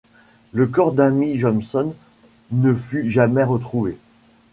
Le corps d’Amy Johnson ne fut jamais retrouvé.